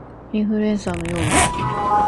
インフルエンサーの養分